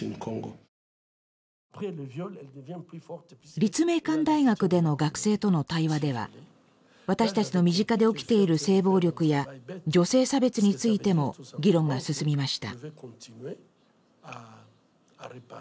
立命館大学での学生との対話では私たちの身近で起きている性暴力や女性差別についても議論が進みました。